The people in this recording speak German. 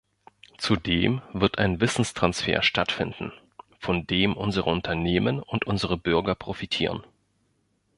Zudem wird ein Wissenstransfer stattfinden, von dem unsere Unternehmen und unsere Bürger profitieren.